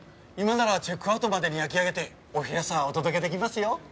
今ならチェックアウトまでに焼き上げてお部屋さお届け出来ますよ。